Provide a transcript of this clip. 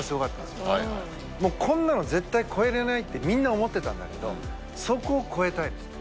こんなの絶対超えられないってみんな思ってたんだけどそこを超えたいですね。